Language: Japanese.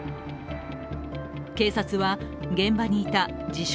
警察は現場にいた自称